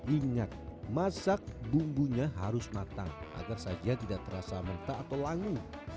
ingat masak bumbunya harus matang agar sajian tidak terasa mentah atau langit